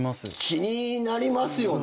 気になりますよね。